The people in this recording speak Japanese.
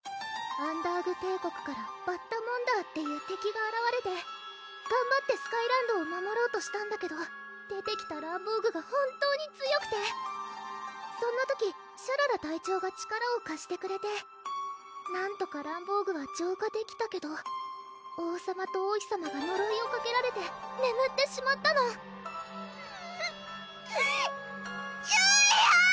アンダーグ帝国からバッタモンダーっていう敵があらわれてがんばってスカイランドを守ろうとしたんだけど出てきたランボーグが本当に強くてそんな時シャララ隊長が力をかしてくれてなんとかランボーグは浄化できたけど王さまと王妃さまがのろいをかけられてねむってしまったのソラ！